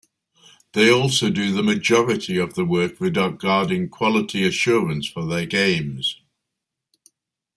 They also do the majority of the work regarding quality assurance for their games.